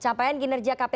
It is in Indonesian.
capaian kinerja kpk jilid iv